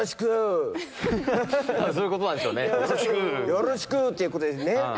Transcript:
よろしく！っていうことですね。